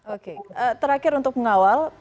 oke terakhir untuk mengawal